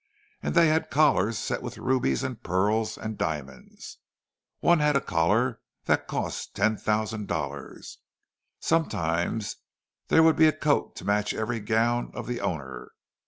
And they had collars set with rubies and pearls and diamonds—one had a collar that cost ten thousand dollars! Sometimes there would be a coat to match every gown of the owner.